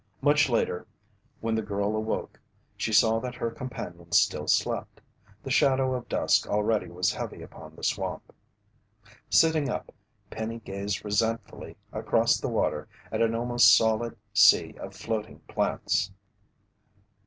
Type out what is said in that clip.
Much later when the girl awoke, she saw that her companion still slept. The shadow of dusk already was heavy upon the swamp. Sitting up, Penny gazed resentfully across the water at an almost solid sea of floating plants.